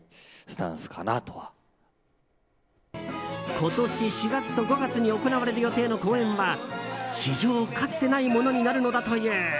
今年４月と５月に行われる予定の公演は史上かつてないものになるのだという。